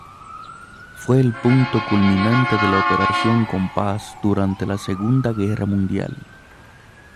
Fue el punto culminante de la Operación Compass durante la Segunda Guerra Mundial.